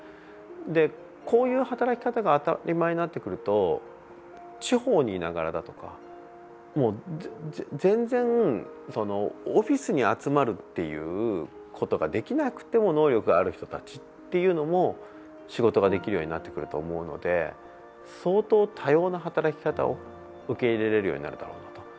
で、こういう働き方が当たり前になってくると地方にいながらだとかもう、全然、オフィスに集まるっていうことができなくても能力がある人たちっていうのも仕事ができるようになってくると思うので相当、多様な働き方を受け入れられるようになるだろうなと。